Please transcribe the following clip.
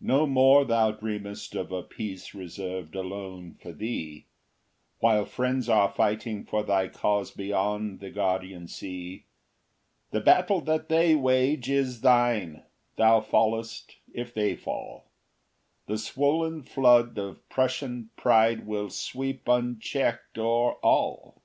No more thou dreamest of a peace reserved alone for thee, While friends are fighting for thy cause beyond the guardian sea; The battle that they wage is thine; thou fallest if they fall; The swollen flood of Prussian pride will sweep unchecked o'er all.